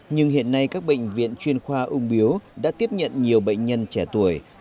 nhưng hiện nay các bệnh viện chuyên khoa ung biếu đã tiếp nhận nhiều bệnh nhân trẻ tuổi